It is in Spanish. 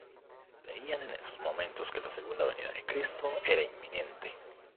Creían en esos momentos que la segunda venida de Cristo era inminente.